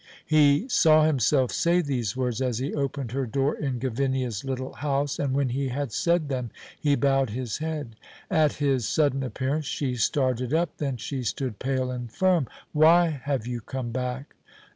He saw himself say these words, as he opened her door in Gavinia's little house. And when he had said them he bowed his head. At his sudden appearance she started up; then she stood pale and firm. "Why have you come back?"